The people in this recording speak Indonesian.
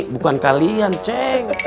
bukan kalian ceng